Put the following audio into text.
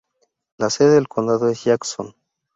La sede del condado es Jackson.